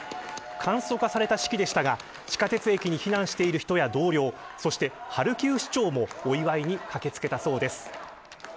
簡素化された式でしたが地下鉄駅に避難している人や同僚そして、ハルキウ市長もお祝いに駆け付けたそうです。